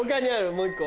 もう１個。